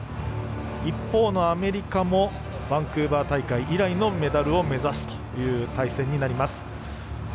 一方のアメリカもバンクーバー大会以来のメダルを目指すという対戦になります。